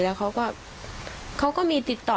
แล้วเขาก็มีติดต่อ